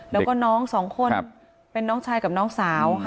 แล้วก็น้องสองคนเป็นน้องชายกับน้องสาวค่ะ